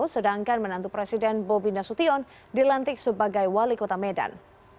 sedangkan menantu presiden bobi nasution dilantik sebagai wali kota medan